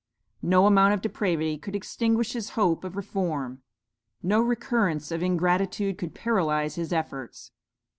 No amount of depravity could extinguish his hope of reform; no recurrence of ingratitude could paralyze his efforts.